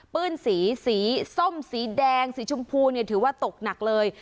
ื้นสีสีส้มสีแดงสีชมพูถือว่าตกหนักเลย